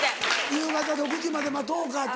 夕方６時まで待とうかって。